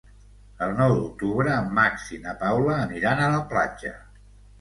El nou d'octubre en Max i na Paula aniran a la platja.